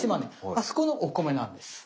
あそこのお米なんです。